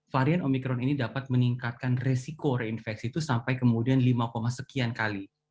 varian omikron ini dapat meningkatkan resiko reinfeksi itu sampai kemudian lima sekian kali